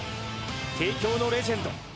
帝京のレジェンド。